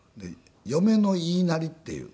嫁の言いなりっていう。